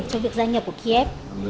cho việc gia nhập của ký ép